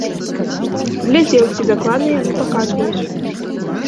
Глядзеў, ці дакладна яны паказваюць.